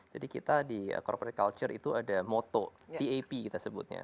jadi kita di corporate culture itu ada motto tap kita sebutnya